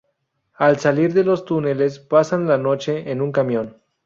Al salir de los túneles, pasan la noche en un camión.